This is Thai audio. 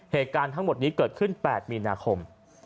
เหตุการณ์ทั้งหมดนี้เกิดขึ้น๘มีนาคม